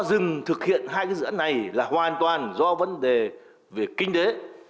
lý do dừng thực hiện hai dự án này là hoàn toàn do vấn đề về kinh tế